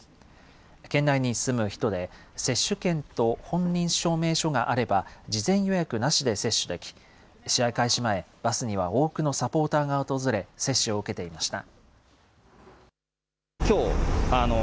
県内に住む人で、接種券と本人証明書があれば、事前予約なしで接種でき、試合開始前、バスには多くのサポーターが訪れ、接種を受けていました。